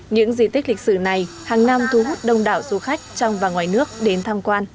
những di tích lịch sử này hàng năm thu hút đông đảo du khách trong và ngoài nước đến tham quan